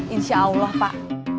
insya allah pak